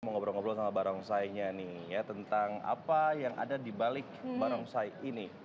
mau ngobrol ngobrol sama barongsainya nih ya tentang apa yang ada di balik barongsai ini